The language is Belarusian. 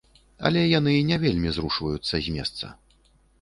Але яны не вельмі зрушваюцца з месца.